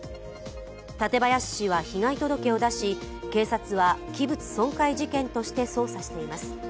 館林市は被害届を出し警察は器物損壊事件として捜査しています。